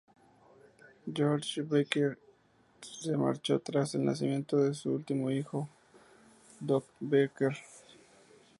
George Barker se marchó tras el nacimiento de su último hijo, Doc Barker.